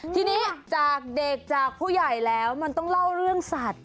ทีนี้จากเด็กจากผู้ใหญ่แล้วมันต้องเล่าเรื่องสัตว์